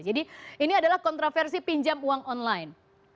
jadi ini adalah kontroversi pinjam uang online